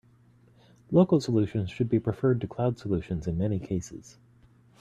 Local solutions should be preferred to cloud solutions in many cases.